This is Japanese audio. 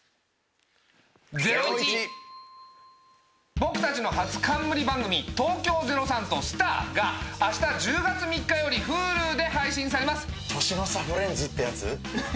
僕たちの初冠番組『東京０３とスタア』が明日１０月３日よりＨｕｌｕで配信されます。